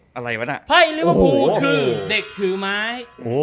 ไพ่ลิเวอร์ฮูคือเด็กถือไม้